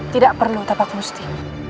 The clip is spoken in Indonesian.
tidak perlu tapa kusti